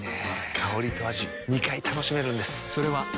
香りと味２回楽しめるんです。